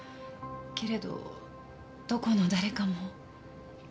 けれどどこの誰かも。